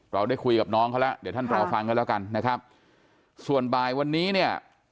เราได้คุยกับน้องเขาแล้วเดี๋ยวท่านรอฟังกันแล้วกันนะครับส่วนบ่ายวันนี้เนี่ย